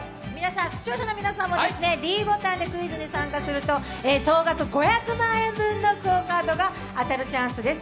視聴者の皆さんもｄボタンでクイズに参加すると総額５００万円分のＱＵＯカードが当たるチャンスです。